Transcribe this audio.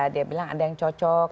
dia bilang ada yang cocok